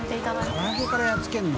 唐揚げからやっつけるの？